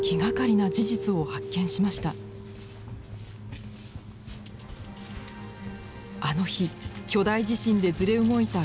あの日巨大地震でずれ動いた岩盤の一部。